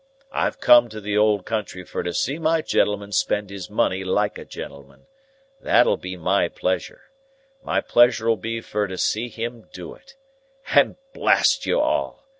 I've come to the old country fur to see my gentleman spend his money like a gentleman. That'll be my pleasure. My pleasure 'ull be fur to see him do it. And blast you all!"